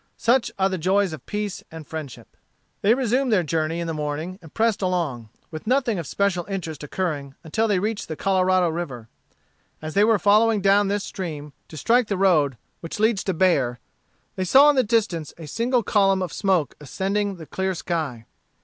Such are the joys of peace and friendship. They resumed their journey in the morning, and pressed along, with nothing of special interest occurring until they reached the Colorado River. As they were following down this stream, to strike the road which leads to Bexar, they saw in the distance a single column of smoke ascending the clear sky.